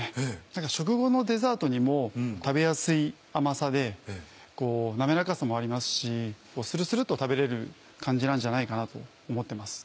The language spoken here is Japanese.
何か食後のデザートにも食べやすい甘さで滑らかさもありますしスルスルっと食べれる感じなんじゃないかなと思ってます。